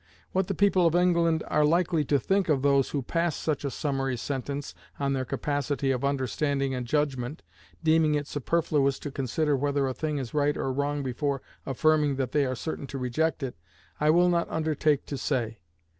What the people of England are likely to think of those who pass such a summary sentence on their capacity of understanding and judgment, deeming it superfluous to consider whether a thing is right or wrong before affirming that they are certain to reject it, I will not undertake to say.